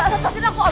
gak ada kasusnya pos